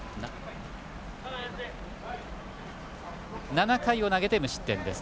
７回を投げて無失点です